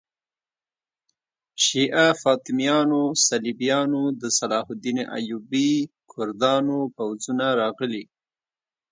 شیعه فاطمیانو، صلیبیانو، د صلاح الدین ایوبي کردانو پوځونه راغلي.